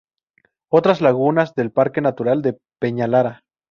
Otras lagunas del Parque Natural de Peñalara